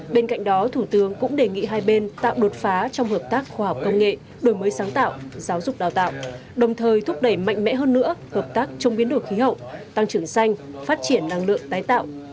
bên cạnh đó thủ tướng cũng đề nghị hai bên tạo đột phá trong hợp tác khoa học công nghệ đổi mới sáng tạo giáo dục đào tạo đồng thời thúc đẩy mạnh mẽ hơn nữa hợp tác trong biến đổi khí hậu tăng trưởng xanh phát triển năng lượng tái tạo